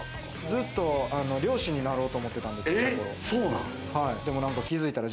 ずっと漁師になろうと思ってたんで、小さい頃。